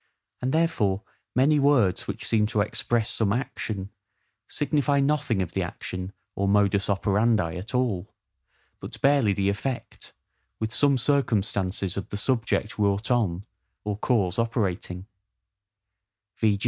And therefore many words which seem to express some action, signify nothing of the action or MODUS OPERANDI at all, but barely the effect, with some circumstances of the subject wrought on, or cause operating: v.